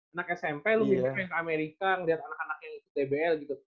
anak smp lu bisa main ke amerika ngeliat anak anak yang dbl gitu